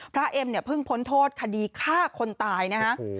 พระเอ็มเพิ่งพ้นโทษคดีฆ่าคนตายนะครับ